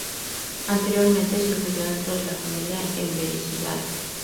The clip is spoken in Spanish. Anteriormente, se incluyó dentro de la familia Emberizidae.